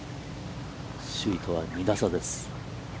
首位とは２打差です。